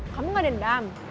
kamu nggak dendam